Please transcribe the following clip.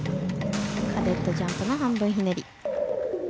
カデットジャンプの半分ひねり。